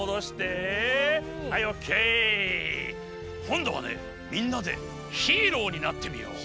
こんどはねみんなでヒーローになってみよう。